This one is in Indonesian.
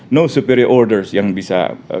no superior orders yang bisa